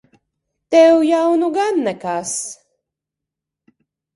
Tev jau nu gan nekas!